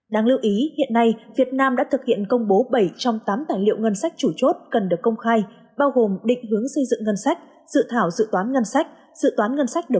đáng lưu ý hiện nay việt nam đã thực hiện công bố bảy trong tám tài liệu ngân sách chủ chốt cần được công khai bao gồm định hướng xây dựng ngân sách dự thảo dự toán ngân sách